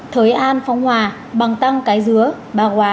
thới an phong hòa bằng tăng cái dứa bà quá